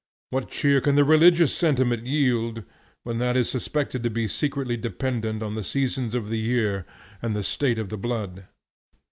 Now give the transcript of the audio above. What cheer can the religious sentiment yield, when that is suspected to be secretly dependent on the seasons of the year and the state of the blood?